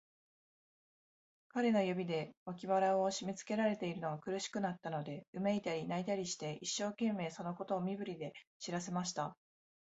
彼の指で、脇腹をしめつけられているのが苦しくなったので、うめいたり、泣いたりして、一生懸命、そのことを身振りで知らせました。